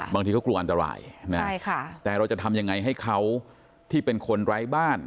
บางทีเขากลัวอันตรายแต่เราจะทำยังไงให้เขาที่เป็นคนไร้บ้าน